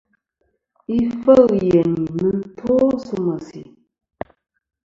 Ifêl yèyn ì nɨn to sɨ mèsì.